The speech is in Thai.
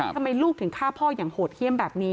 ทำไมลูกถึงฆ่าพ่ออย่างโหดเยี่ยมแบบนี้